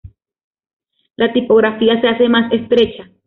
La tipografía se hace más estrecha.